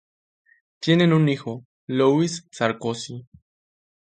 Tienen un hijo, Louis Sarkozy.